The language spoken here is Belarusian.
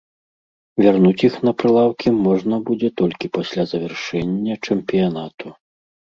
Вярнуць іх на прылаўкі можна будзе толькі пасля завяршэння чэмпіянату.